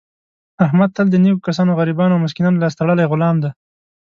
احمد تل د نېکو کسانو، غریبانو او مسکینانو لاس تړلی غلام دی.